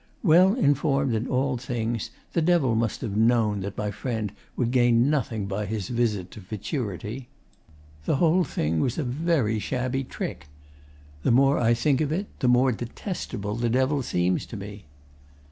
Well informed in all things, the Devil must have known that my friend would gain nothing by his visit to futurity. The whole thing was a very shabby trick. The more I think of it, the more detestable the Devil seems to me.